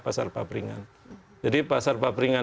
pasar paperingan jadi pasar paperingan